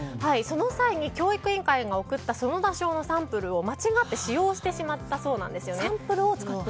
その際に教育委員会が送った園田小のサンプルを間違って使用してしまったそうなんですよね。